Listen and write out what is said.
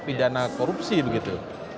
tapi dana korupsi begitu